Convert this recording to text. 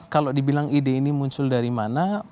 kalau dibilang ide ini muncul dari mana